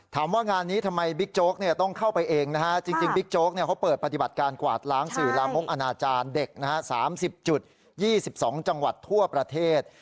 ถามว่างานนี้ทำไมบิ๊กโจ๊กต้องเข้าไปเองนะฮะจริงบิ๊กโจ๊กเขาเปิดปฏิบัติการกวาดล้างสื่อลามกอนาจารย์เด็ก๓๐๒๒จังหวัดทั่วประเทศ